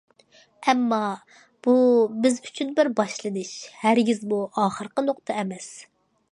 ئەمما، بۇ، بىز ئۈچۈن بىر باشلىنىش، ھەرگىزمۇ ئاخىرقى نۇقتا ئەمەس.